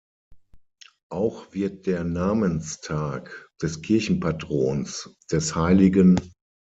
Auch wird der Namenstag des Kirchenpatrons, des Hl.